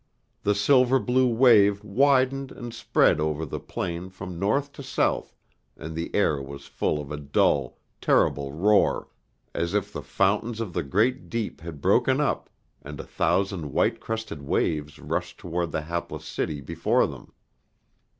The silver blue wave widened and spread over the plain from north to south, and the air was full of a dull, terrible roar, as if the fountains of the great deep had broken up, and a thousand white crested waves rushed toward the hapless city before them.